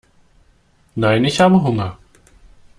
Nein, ich habe Hunger.